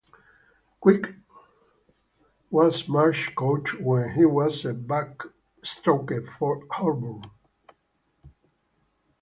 Quick was Marsh's coach when he was a backstroker for Auburn.